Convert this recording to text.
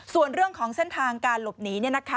ส่วนเรื่องของเส้นทางการหลบหนี